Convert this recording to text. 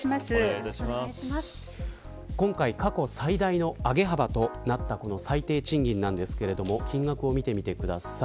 今回過去最大の上げ幅となった最低賃金なんですけれども金額を見てください。